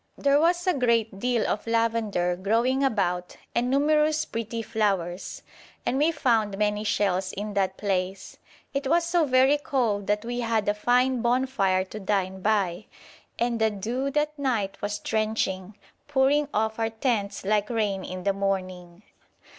There was a great deal of lavender growing about and numerous pretty flowers, and we found many shells in that place. It was so very cold that we had a fine bonfire to dine by, and the dew that night was drenching, pouring off our tents like rain in the morning.